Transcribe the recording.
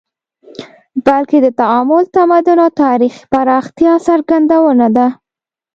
بلکې د تعامل، تمدن او تاریخي پراختیا څرګندونه ده